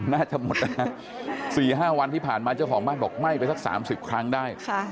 น่าจะหมดนะฮะ๔๕วันที่ผ่านมาเจ้าของบ้านบอกไหม้ไปสัก๓๐ครั้งได้